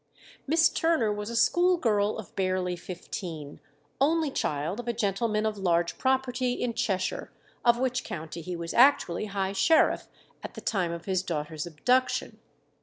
Miss Turner was a school girl of barely fifteen, only child of a gentleman of large property in Cheshire, of which county he was actually high sheriff at the time of his daughter's abduction.